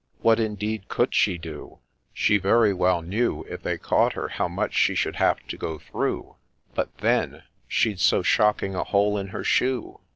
— What, indeed, could she do ? She very well knew If they caught her how much she should have to go through ; But then — she'd so shocking a hole in her shoe